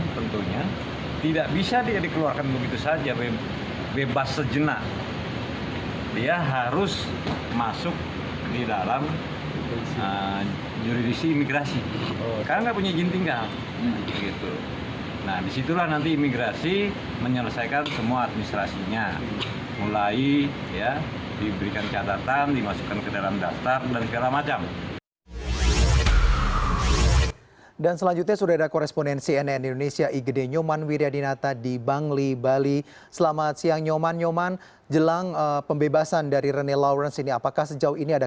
ketika dikonsumsi dengan konsulat jenderal australia terkait dua rekannya dikonsumsi dengan konsulat jenderal australia